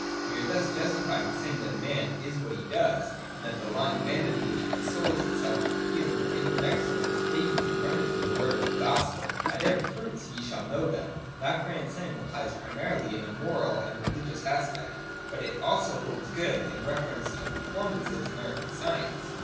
We are thus justified in saying that a man is what he does ; and the lying vanity which consoles itself with the feeling of inward excellence, may be confronted with the words of the gospel :' By their fruits ye shall know them.' That grand saying applies primarily in a moral and religious aspect, but it also holds good in reference to performances in art and science.